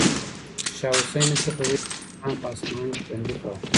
شاه حسین صفوي میرویس خان په اصفهان کې بندي کړ.